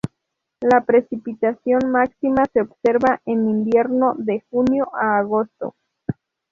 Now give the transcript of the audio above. La precipitación máxima se observa en invierno, de junio a agosto.